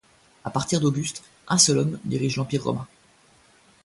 À partir d'Auguste, un seul homme dirige l’Empire romain.